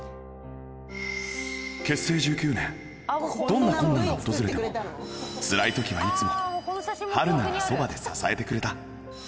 どんな困難が訪れてもつらい時はいつも春菜がそばで支えてくれた